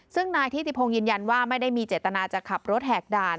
ซึ่งนายทิติพงศ์ยืนยันว่าไม่ได้มีเจตนาจะขับรถแหกด่าน